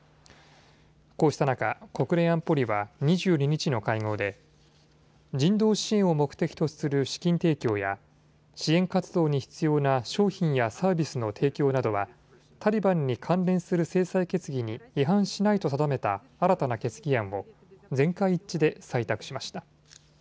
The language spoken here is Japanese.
こうした中、国連安保理は２２日の会合で人道支援を目的とする資金提供や支援活動に必要な商品やサービスの提供などはタリバンに関連する制裁決議に違反しないと定めた新たな決議案を全会一致で採択しました。